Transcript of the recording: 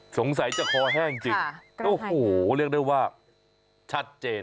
สงสัยจะคอแห้งจริงโอ้โหเรียกได้ว่าชัดเจน